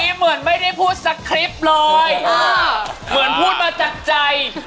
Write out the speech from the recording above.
เหมือนพูดมาจากใจ